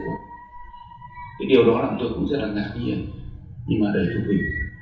cái điều đó làm tôi cũng rất là ngạc nhiên nhưng mà đầy thú vị